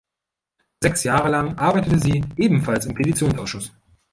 Sechs Jahre lang arbeitete sie ebenfalls im Petitionsausschuss.